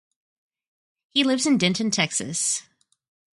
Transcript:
He lives in Denton, Texas.